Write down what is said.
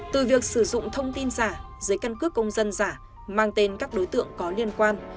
từ việc sử dụng thông tin giả dưới căn cước công dân giả mang tên các đối tượng có liên quan